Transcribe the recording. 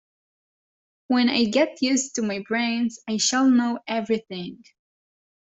When I get used to my brains I shall know everything.